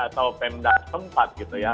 atau pemda tempat gitu ya